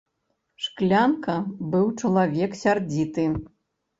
Шклянка быў чалавек сярдзіты.